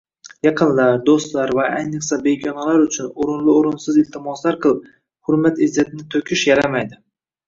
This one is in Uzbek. Yaqinlar, doʻstlar va ayniqsa begonalar uchun oʻrinli-oʻrinsiz iltimoslar qilib, hurmat-izzatni toʻkish yaramaydi